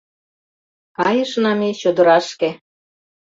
Кайышна ме чодырашке